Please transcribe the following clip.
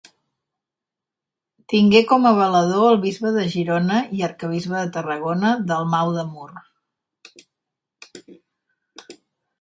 Tingué com a valedor el bisbe de Girona i arquebisbe de Tarragona, Dalmau de Mur.